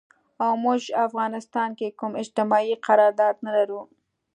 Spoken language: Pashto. او مونږ افغانستان کې کوم اجتماعي قرارداد نه لرو